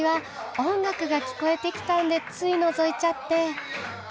音楽が聞こえてきたんでついのぞいちゃって。